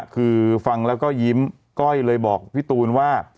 คือฟังแล้วก็ยิ้มก้อยเลยบอกพี่ตูนว่า